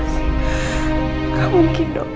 tidak mungkin dok